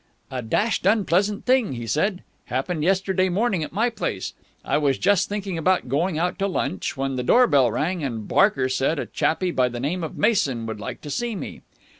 "A dashed unpleasant thing," he said, "happened yesterday morning at my place. I was just thinking about going out to lunch, when the door bell rang and Barker said a chappie of the name of Mason would like to see me.